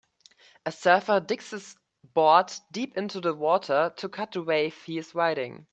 A surfer digs his board deep in the water to cut the wave he is riding.